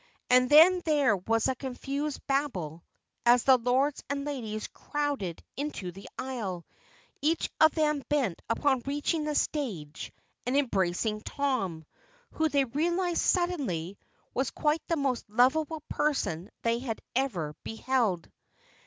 And then there was a confused babel as the Lords and Ladies crowded into the aisle, each of them bent upon reaching the stage and embracing Tom, who, they realized suddenly, was quite the most lovable person they had ever beheld.